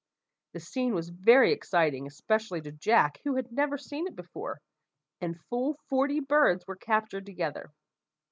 The scene was very exciting, especially to Jack, who had never seen it before, and full forty birds were captured together.